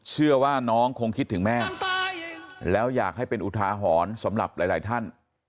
เชื่อว่าน้องคงคิดถึงแม่แล้วอยากให้เป็นอุทาหรณ์สำหรับหลายท่าน